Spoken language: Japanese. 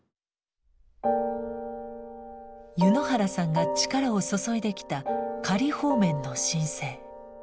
柚之原さんが力を注いできた仮放免の申請。